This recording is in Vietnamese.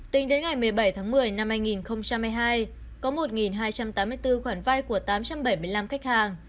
tính đến ngày một mươi bảy tháng một mươi năm hai nghìn hai mươi hai có một hai trăm tám mươi bốn khoản vay của tám trăm bảy mươi năm khách hàng